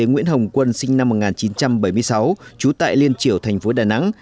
nguyễn hồng quân sinh năm một nghìn chín trăm bảy mươi sáu trú tại liên triểu thành phố đà nẵng